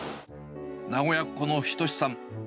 名古屋っ子の斎さん。